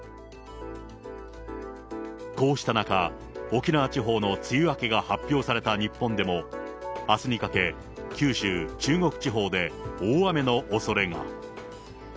こうした中、沖縄地方の梅雨明けが発表された日本でも、あすにかけ、九州、中国地方で大雨のおそれが。